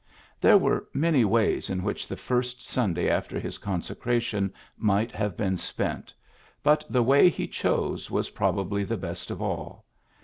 There were many ways in which the first Sunday after his consecration might have been spent, but the way he chose was probably the best of all.